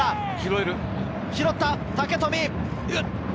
拾った武富。